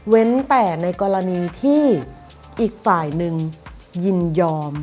แต่ในกรณีที่อีกฝ่ายหนึ่งยินยอม